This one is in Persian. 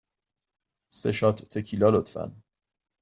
سه شات تکیلا، لطفاً.